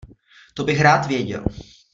To bych rád věděl.